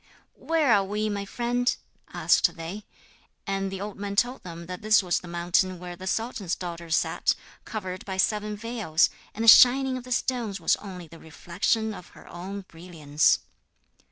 'Where are we, my friend?' asked they; and the old man told them that this was the mountain where the sultan's daughter sat, covered by seven veils, and the shining of the stones was only the reflection of her own brilliance.